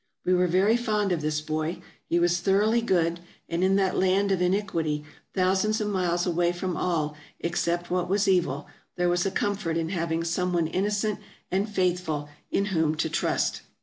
We were very fond of this boy ; he was thoroughly good ; and in that land of iniquity, thousands of miles away from all except what was evil, there was a comfort in having some one innocent and faithful, in whom to trust.